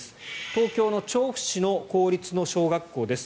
東京の調布市の公立の小学校です。